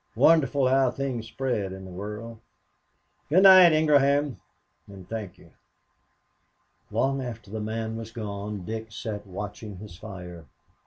Wonderful how things spread in the world. Good night, Ingraham, and thank you." Long after the man was gone Dick sat watching his fire.